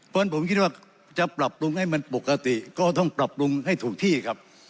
เพราะฉะนั้นผมคิดว่าจะปรับปรุงให้มันปกติก็ต้องปรับปรุงให้ถูกที่ครับ